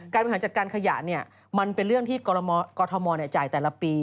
บริหารจัดการขยะมันเป็นเรื่องที่กรทมจ่ายแต่ละปี